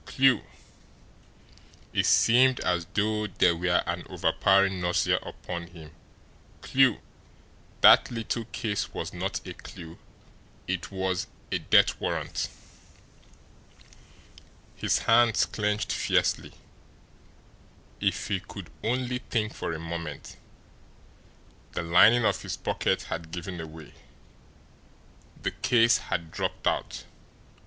Clew! It seemed as though there were an overpowering nausea upon him. CLEW! That little case was not a clew it was a death warrant! His hands clenched fiercely. If he could only think for a moment! The lining of his pocket had given away. The case had dropped out.